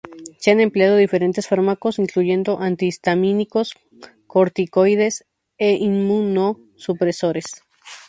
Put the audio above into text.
Se han empleado diferentes fármacos, incluyendo antihistamínicos, corticoides e inmunosupresores.